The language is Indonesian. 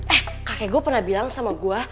eh kakek gue pernah bilang sama gue